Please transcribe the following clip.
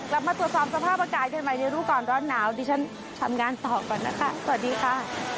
กลับมาตรวจสอบสภาพอากาศกันใหม่ในรู้ก่อนร้อนหนาวดิฉันทำงานต่อก่อนนะคะสวัสดีค่ะ